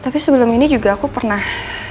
tapi sebelum ini juga aku pernah